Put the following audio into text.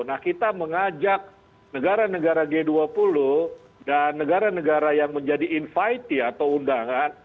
nah kita mengajak negara negara g dua puluh dan negara negara yang menjadi invite atau undangan